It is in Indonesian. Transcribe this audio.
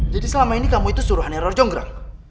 jadi selama ini kamu itu suruhan error jonggrang